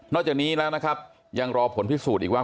จากนี้แล้วนะครับยังรอผลพิสูจน์อีกว่า